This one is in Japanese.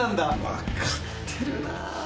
分かってるな！